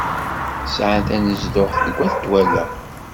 Sɛan tanezduɣt deg at Dwala?